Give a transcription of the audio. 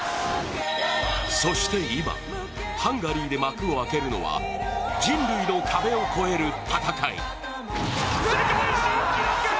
そして今、ハンガリーで幕を開けるのは人類の壁を超える戦い。